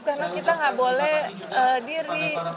karena kita gak boleh diri